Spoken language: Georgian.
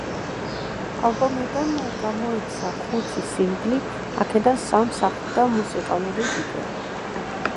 ალბომიდან გამოიცა ხუთი სინგლი, აქედან სამს ახლდა მუსიკალური ვიდეო.